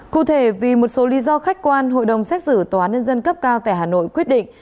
cụ thể vì một số lý do khách quan hội đồng xét xử tòa án nhân dân cấp cao tại hà nội quyết định